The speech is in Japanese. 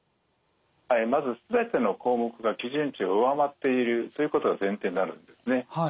まず全ての項目が基準値を上回っているということが前提になるんですね。